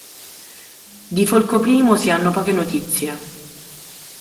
Di Folco I si hanno poche notizie.